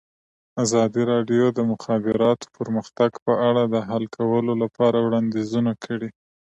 ازادي راډیو د د مخابراتو پرمختګ په اړه د حل کولو لپاره وړاندیزونه کړي.